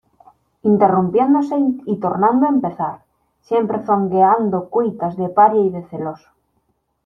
interrumpiéndose y tornando a empezar, siempre zongueando cuitas de paria y de celoso: